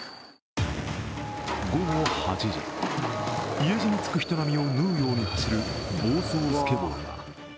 午後８時、家路に着く人並みを縫うように進む暴走スケボー。